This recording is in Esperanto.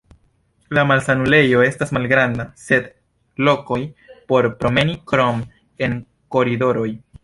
La malsanulejo estas malgranda, sen lokoj por promeni krom en koridoroj.